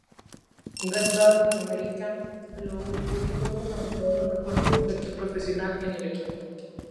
Baseball America lo ubicó como el segundo mejor prospecto profesional en el equipo.